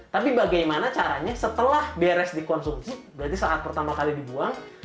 tapi bagaimana caranya setelah beres dikonsumsi berarti saat pertama kali dibuang